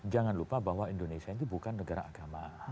jangan lupa bahwa indonesia itu bukan negara agama